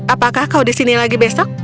apakah kau di sini lagi besok